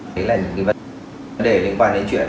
đấy là những vấn đề liên quan đến chuyện